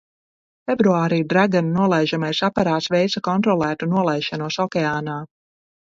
"Februārī "Dragon" nolaižamais aparāts veica kontrolētu nolaišanos okeānā."